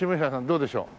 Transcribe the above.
どうでしょう？